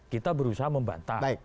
kita berusaha membantah